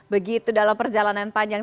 begitu dalam perjalanan panjang